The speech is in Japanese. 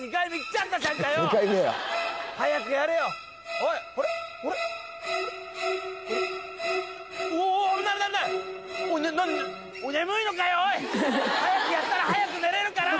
おい何早くやったら早く寝れるから！